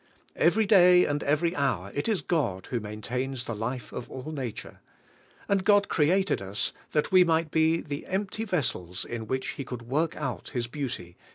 Every day and every hour it is God who main tains the life of all nature. And God created rs, that we might be the empty vessels in which He could work out His beauty.